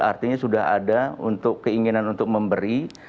artinya sudah ada untuk keinginan untuk memberi